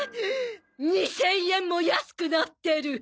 ２０００円も安くなってる！？